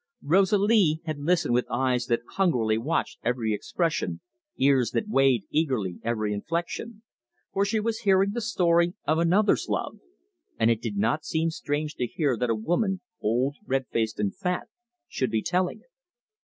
Rosalie had listened with eyes that hungrily watched every expression, ears that weighed eagerly every inflection; for she was hearing the story of another's love, and it did not seem strange to her that a woman, old, red faced, and fat, should be telling it.